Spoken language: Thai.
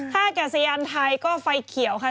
ท่ากาศยานไทยก็ไฟเขียวค่ะ